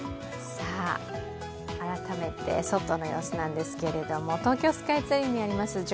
改めて外の様子なんですけれども、東京スカイツリーにあります